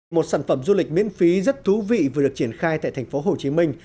một sản phẩm du lịch miễn phí rất thú vị vừa được triển khai tại thành phố hồ chí minh